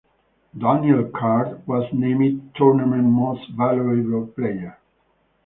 Daniel Carte was named Tournament Most Valuable Player.